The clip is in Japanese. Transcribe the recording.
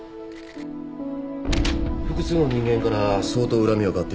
複数の人間から相当恨みを買っていた。